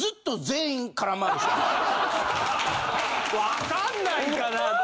分かんないかなぁ？